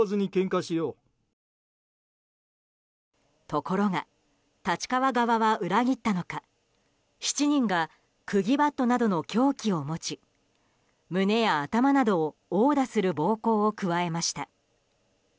ところが立川側は裏切ったのか７人が釘バットなどの凶器を持ち胸や頭などを殴打する暴行を加えました。